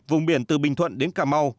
vùng biển từ bình thuận đến cà mau